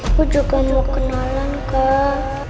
aku juga mau kenalan kak